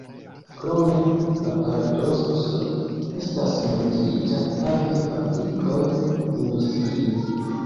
Krome, la paradokso estas montrita havi aplikoj industrie.